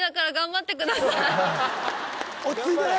落ち着いてね